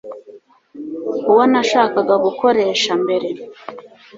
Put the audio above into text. uwo nashakaga gukoresha mbere